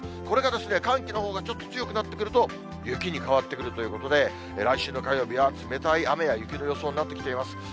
これが寒気のほうがちょっと強くなってくると、雪に変わってくるということで、来週の火曜日は冷たい雨や雪の予想になってきています。